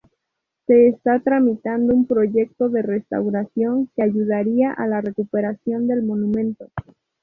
Se está tramitando un proyecto de restauración que ayudaría a la recuperación del monumento.